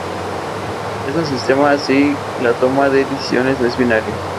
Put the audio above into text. En un sistema así la toma de decisiones no es binaria.